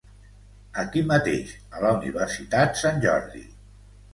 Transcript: Aquí mateix, a la Universitat Sant Jordi.